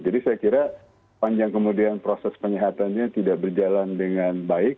saya kira panjang kemudian proses penyehatannya tidak berjalan dengan baik